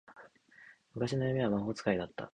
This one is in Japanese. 昔の夢は魔法使いだった